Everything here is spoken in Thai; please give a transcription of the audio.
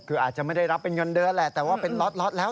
คืออาจจะไม่ได้รับเป็นเงินเดือนแหละแต่ว่าเป็นล็อตแล้ว